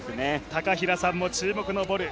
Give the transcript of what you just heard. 高平さんも注目のボル。